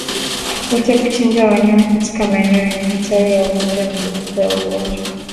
Kuacha kuchinja wanyama katika maeneo yenye hatari ya ugonjwa na milipuko ya ugonjwa